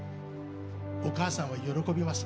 お母さんは喜びます。